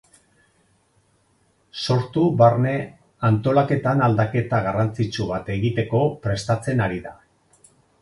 Sortu barne antolaketan aldaketa garrantzitsu bat egiteko prestatzen ari da.